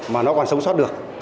mà nó còn sống sót được